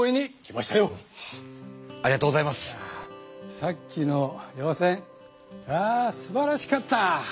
さっきの予選あすばらしかった！